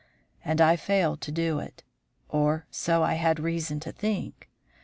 And I failed to do it; or so I had reason to think.